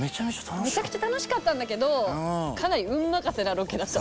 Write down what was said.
めちゃくちゃ楽しかったんだけどかなり運任せなロケだった。